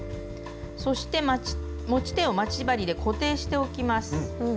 そして持ち手を待ち針で固定しておきます。